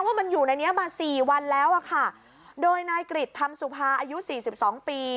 ว่ามันอยู่ในนี้มาสี่วันแล้วอ่ะค่ะโดยนายกริจธรรมสุภาอายุสี่สิบสองปี